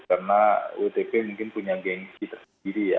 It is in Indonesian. karena wtp mungkin punya gengsi tersendiri ya